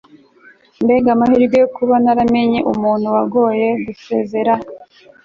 mbega amahirwe kuba naramenye umuntu wagoye gusezera